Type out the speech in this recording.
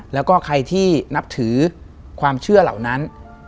แล้วก็ใครที่นับถือความเชื่อเหล่านั้น